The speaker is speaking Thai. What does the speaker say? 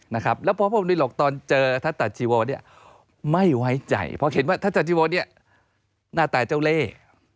นะครับแล้วพระพรมนิหลก